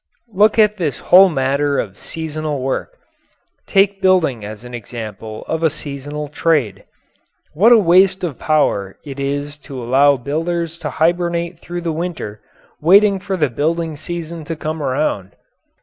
Look at this whole matter of seasonal work. Take building as an example of a seasonal trade. What a waste of power it is to allow builders to hibernate through the winter, waiting for the building season to come around!